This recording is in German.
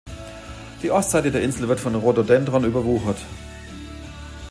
Die Ostseite der Insel wird von Rhododendron überwuchert.